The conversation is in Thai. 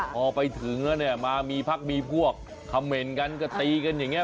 พอไปถึงแล้วเนี่ยมามีพักมีพวกคำเมนต์กันก็ตีกันอย่างนี้